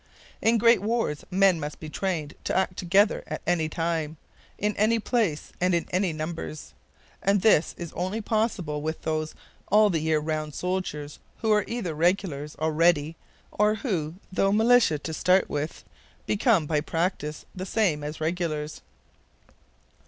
In great wars men must be trained to act together at any time, in any place, and in any numbers; and this is only possible with those all the year round soldiers who are either regulars already or who, though militia to start with, become by practice the same as regulars.